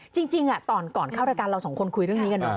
จริงก่อนเข้ารายการเราสองคนคุยเรื่องนี้กันเนอ